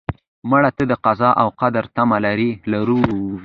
مړه ته د قضا او قدر تمه لرو